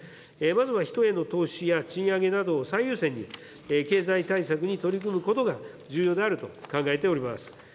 まずは人への投資や賃上げなどを最優先に、経済対策に取り組むことが重要であると考えております。